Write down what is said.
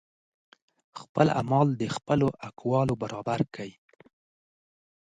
خپل اعمال د خپلو اقوالو برابر کړئ